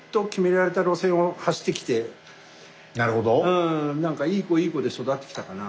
うんなんかいい子いい子で育ってきたかな。